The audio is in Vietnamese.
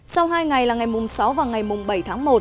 sau hai ngày là ngày mùng sáu và ngày mùng bảy tháng một